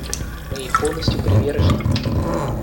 Мы ей полностью привержены.